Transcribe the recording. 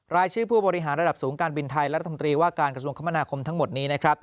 รายชื่อผู้บริหารระดับสูงการบินไทยรัฐมนตรีว่าการกระทรวงคมนาคมทั้งหมดนี้นะครับ